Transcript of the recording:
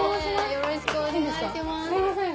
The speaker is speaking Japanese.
よろしくお願いします。